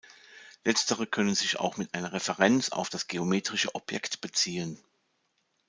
Letztere können sich auch mit einer Referenz auf das geometrische Objekt beziehen.